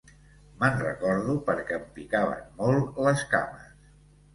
Me'n recordo perquè em picaven molt les cames.